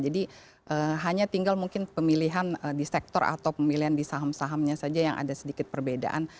jadi hanya tinggal mungkin pemilihan di sektor atau pemilihan di saham sahamnya saja yang ada sedikit perbedaan